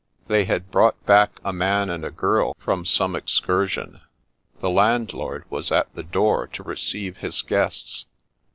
They had brought back a man and a girl from some excursion. The landlord was at the door to receive his guests.